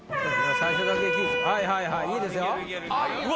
はいはいはいいいですよ。